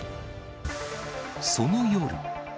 その夜。